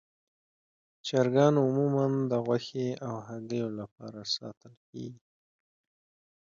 چرګان عموماً د غوښې او هګیو لپاره ساتل کېږي.